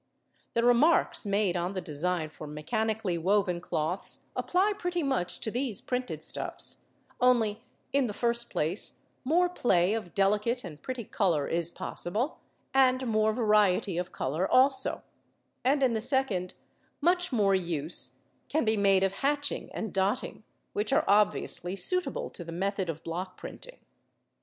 The remarks made on the design for mechanically woven cloths apply pretty much to these printed stuffs: only, in the first place, more play of delicate and pretty colour is possible, and more variety of colour also; and in the second, much more use can be made of hatching and dotting, which are obviously suitable to the method of block printing.